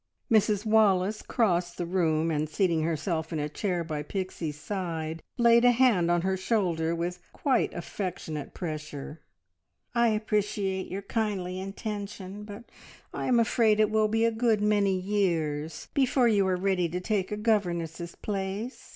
Mrs Wallace crossed the room and seating herself in a chair by Pixie's side, laid a hand on her shoulder with quite affectionate pressure. "I appreciate your kindly intention, but I am afraid it will be a good many years before you are ready to take a governess's place.